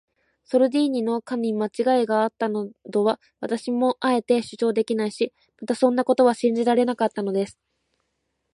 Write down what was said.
ソルディーニの課にまちがいがあったなどとは、私もあえて主張できないし、またそんなことは信じられなかったのです。